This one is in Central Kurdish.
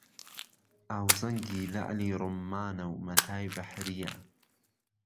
ئاوزهنگی لهعلى ڕوممانه و مهتای بهحرييه